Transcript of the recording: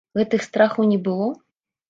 Гэтых страхаў не было?